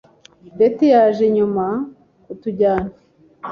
Betty yaje nyuma kutujyana.